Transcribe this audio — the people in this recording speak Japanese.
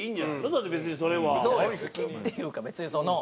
だって別にそれは。好きっていうか別にその。